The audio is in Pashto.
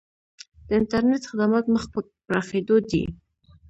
د انټرنیټ خدمات مخ په پراخیدو دي